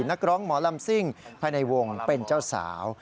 นักร้องหมอลำซิ่งภายในวงเป็นเจ้าสาว